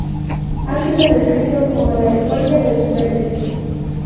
Ha sido descrito como "la escoria de los verdes".